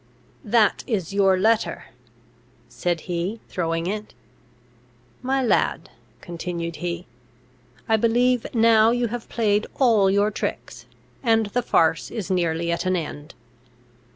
"That is your letter," said he, throwing it. "My lad," continued he, "I believe now you have played all your tricks, and the farce is nearly at an end!